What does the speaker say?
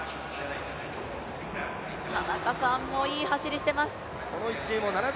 田中さんもいい走りをしています。